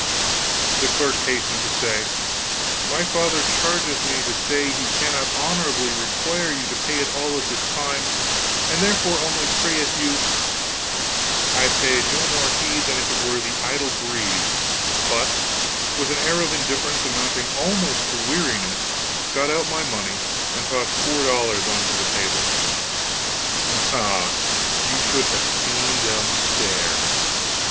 The clerk hastened to say: "My father chargeth me to say he cannot honorably require you to pay it all at this time, and therefore only prayeth you " I paid no more heed than if it were the idle breeze, but, with an air of indifference amounting almost to weariness, got out my money and tossed four dollars on to the table. Ah, you should have seen them stare!